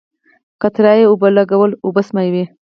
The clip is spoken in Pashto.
قطره یي اوبولګول اوبه سپموي.